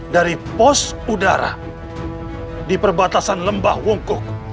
dari pos udara di perbatasan lembah wongkok